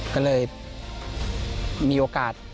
ก็เลยมีโอกาส